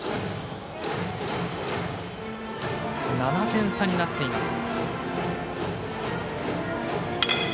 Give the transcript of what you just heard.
７点差になっています。